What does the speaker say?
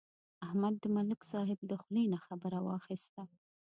احمد د ملک صاحب د خولې نه خبره واخیسته.